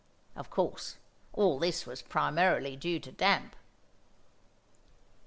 Of course, all this was primarily due to damp.